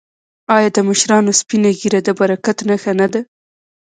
آیا د مشرانو سپینه ږیره د برکت نښه نه ده؟